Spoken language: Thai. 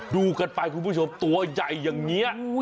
ดูกันไปคุณผู้ชมตัวใหญ่อย่างนี้